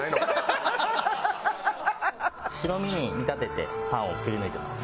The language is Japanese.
白身に見立ててパンをくり抜いてます。